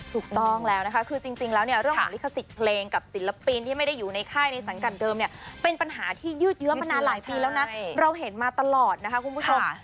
ถูกต้องแล้วนะคะจริงแล้วเนี่ยเรื่องโหดฤกษิตเพลงกับศิลปินที่ไม่ได้อยู่ในไข้ในสังกัดเดิมเป็นปัญหาที่ยืดเยื่อมนาหลายปีแล้วเราเห็นมาตลอดนะคะคุณผู้ชม